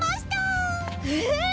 え⁉